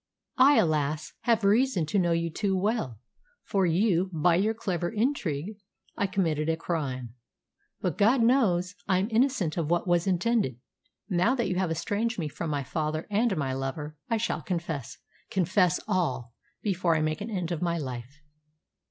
"I, alas! have reason to know you too well. For you by your clever intrigue I committed a crime; but God knows I am innocent of what was intended. Now that you have estranged me from my father and my lover, I shall confess confess all before I make an end of my life."